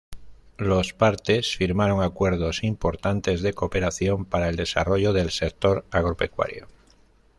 Los partes firmaron acuerdos importantes de cooperación para el desarrollo del sector agropecuario.